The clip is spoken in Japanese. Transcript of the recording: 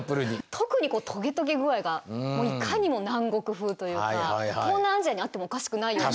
特にこうトゲトゲ具合がもういかにも南国風というか東南アジアにあってもおかしくないような。